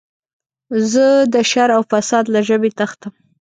زه د شر او فساد له ژبې تښتم.